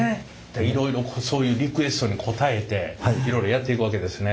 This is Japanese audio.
いろいろそういうリクエストに応えていろいろやっていくわけですね。